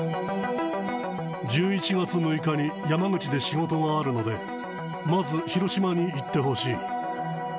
１１月６日に山口で仕事があるので、まず、広島に行ってほしい。